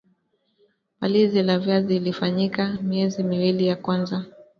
palizi la viazi lifanyike miezi miwili ya kwanza